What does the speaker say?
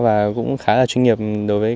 và cũng khá là chuyên nghiệp đối với